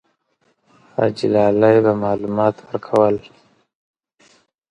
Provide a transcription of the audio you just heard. حاجي لالی به معلومات ورکول.